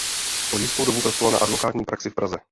Po jistou dobu pracoval na advokátní praxi v Praze.